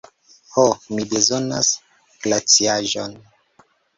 Ho, mi bezonas glaciaĵon.